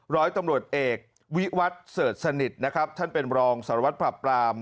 ร้อยตำรวจเอกวิวัตรเสิร์ชสนิทนะครับท่านเป็นรองสารวัตรปรับปราม